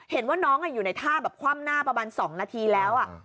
เห็นว่าน้องอยู่ในท่าแบบคว่ำหน้าประมาณ๒นาทีแล้ว